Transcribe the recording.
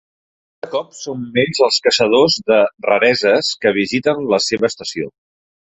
Cada cop són menys els caçadors de rareses que visiten la seva estació.